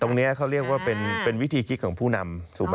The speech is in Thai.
ตรงนี้เขาเรียกว่าเป็นวิธีคิดของผู้นำถูกไหม